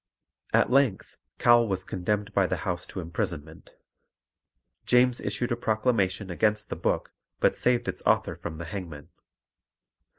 At length Cowell was condemned by the House to imprisonment; James issued a proclamation against the book, but saved its author from the hangman.